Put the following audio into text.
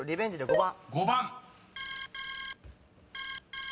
［５番］